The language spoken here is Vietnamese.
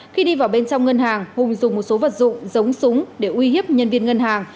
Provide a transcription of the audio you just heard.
khi đi vào bên trong ngân hàng hùng dùng một số vật dụng giống súng để uy hiếp nhân viên ngân hàng